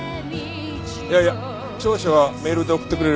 いやいや調書はメールで送ってくれればいい。